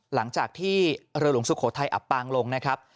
หลังจากที่เรือหลวงสุโขทัยอับปางลงนะครับ